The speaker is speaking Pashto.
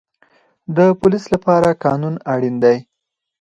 د پولیس لپاره قانون اړین دی